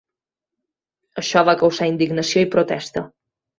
Això va causar indignació i protesta.